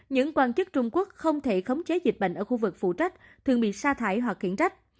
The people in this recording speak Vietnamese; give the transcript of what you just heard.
những quan chức trung quốc không thể khống chế dịch bệnh ở khu vực phụ trách thường bị sa thải hoặc khiển trách